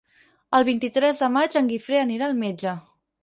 El vint-i-tres de maig en Guifré anirà al metge.